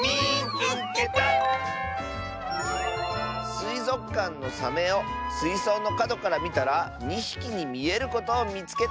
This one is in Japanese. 「すいぞくかんのサメをすいそうのかどからみたら２ひきにみえることをみつけた！」。